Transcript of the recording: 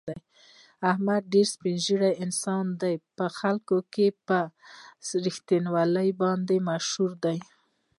احمد ډېر سپین زړی انسان دی، په خلکو کې په رښتینولي باندې مشهور دی.